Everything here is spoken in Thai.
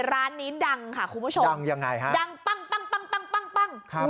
ร้านนี้ดังค่ะคุณผู้ชมดังอย่างไรค่ะดัง